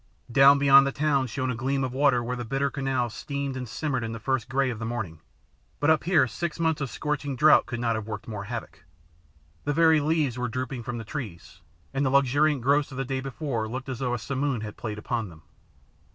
Down beyond the town shone a gleam of water where the bitter canal steamed and simmered in the first grey of the morning, but up here six months of scorching drought could not have worked more havoc. The very leaves were dropping from the trees, and the luxuriant growths of the day before looked as though a simoon had played upon them.